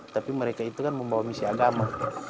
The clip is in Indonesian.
tapi mereka itu kan membawa misi agama